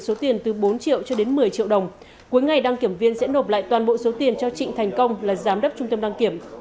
số tiền từ bốn triệu cho đến một mươi triệu đồng cuối ngày đăng kiểm viên sẽ nộp lại toàn bộ số tiền cho trịnh thành công là giám đốc trung tâm đăng kiểm